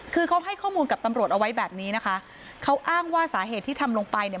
คือเขาให้ข้อมูลกับตำรวจเอาไว้แบบนี้นะคะเขาอ้างว่าสาเหตุที่ทำลงไปเนี่ย